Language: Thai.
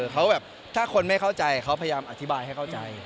เขาแบบถ้าคนไม่เข้าใจเขาพยายามอธิบายให้เข้าใจ